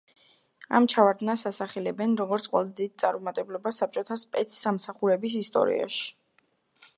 ამ ჩავარდნას ასახელებენ როგორც ყველაზე დიდ წარუმატებლობას საბჭოთა სპეცსამსახურების ისტორიაში.